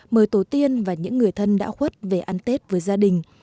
mời tổ tiên và những người thân đã khuất về ăn tết với gia đình